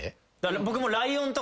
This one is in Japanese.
僕も。